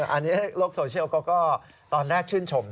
อันนี้โลกโซเชียลเขาก็ตอนแรกชื่นชม